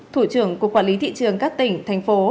thủ trưởng cục quản lý thị trường các tỉnh thành phố